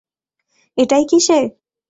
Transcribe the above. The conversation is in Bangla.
এটাই কি সে?